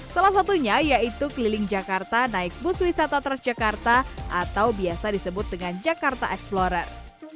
salah satunya yaitu keliling jakarta naik bus wisata transjakarta atau biasa disebut dengan jakarta explorer